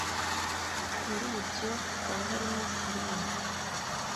muri byo hakaba harimo Syria